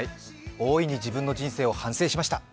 大いに自分の人生を反省しました。